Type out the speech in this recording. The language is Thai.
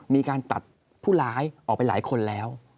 มีการตัดผู้ร้ายออกไปหลายคนแล้ว